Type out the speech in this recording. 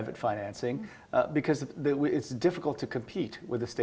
karena susah untuk berkompetisi